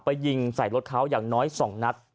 ยิงใส่รถเขาอย่างน้อย๒นัด